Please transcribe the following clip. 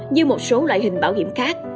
như một số loại hình bảo hiểm khác